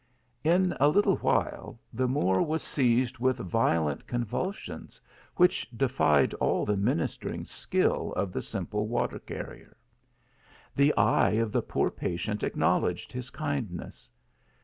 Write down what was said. In a little while the Moor was seized with violent convulsions, which defied all the ministering skill of the simple water carrier. The eye of the poor pa tient acknowledged his kindness.